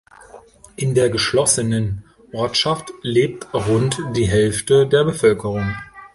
In der geschlossenen Ortschaft lebt rund die Hälfte der Bevölkerung.